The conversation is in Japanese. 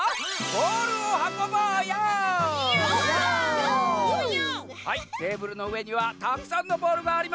テーブルのうえにはたくさんのボールがありますよ！